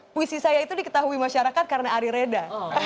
puisi saya itu diketahui masyarakat karena ari reda